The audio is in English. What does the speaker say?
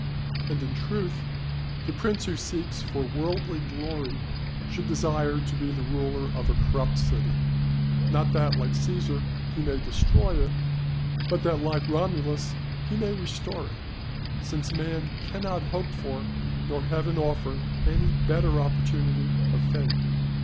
And in truth the prince who seeks for worldly glory should desire to be the ruler of a corrupt city; not that, like Cæsar, he may destroy it, but that, like Romulus, he may restore it; since man cannot hope for, nor Heaven offer any better opportunity of fame.